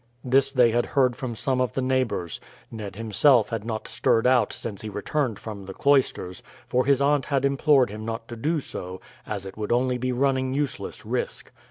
This they had heard from some of the neighbours. Ned himself had not stirred out since he returned from the cloisters; for his aunt had implored him not to do so, as it would only be running useless risk.